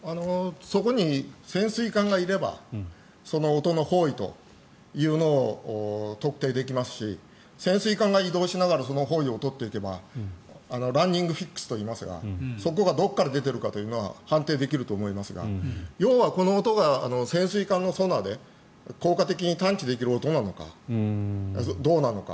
そこに潜水艦がいればその音の方位を特定できますし潜水艦が移動しながらその方位を取っていけばランニングフィックスといいますがそれがどこから出ているのか判定できると思いますが要はこの音が潜水艦のソナーで効果的に探知できる音なのかどうなのか。